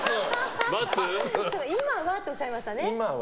「今は」とおっしゃいましたね。